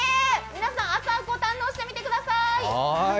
皆さん、朝おこ堪能してみてください。